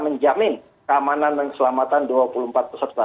menjamin keamanan dan keselamatan dua puluh empat peserta